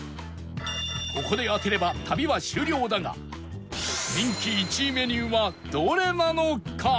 ここで当てれば旅は終了だが人気１位メニューはどれなのか？